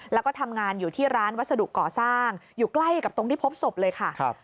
แล้วก็ทำงานอยู่ที่ร้านวัสดุก่อสร้างอยู่ใกล้กับตรงที่พบศพเลยค่ะ